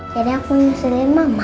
jadi aku nyeselin mama